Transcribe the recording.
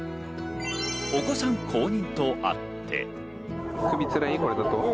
お子さん公認とあって。